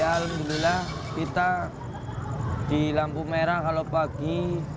alhamdulillah kita di lampu merah kalau pagi